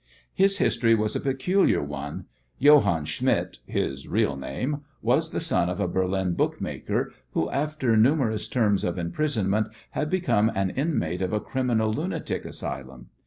His history was a peculiar one. Johann Schmidt his real name was the son of a Berlin bookmaker, who after numerous terms of imprisonment had become an inmate of a criminal lunatic asylum.